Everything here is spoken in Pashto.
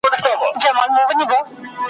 او پسه یې له آزاره وي ژغورلی `